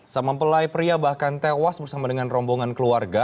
sama mempelai pria bahkan tewas bersama dengan rombongan keluarga